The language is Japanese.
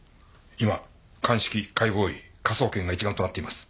今鑑識解剖医科捜研が一丸となっています。